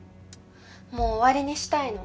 もう終わりにしたいの。